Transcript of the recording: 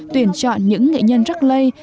tuyển chọn những nghệ nhân rắc lây